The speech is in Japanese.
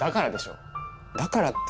だからって。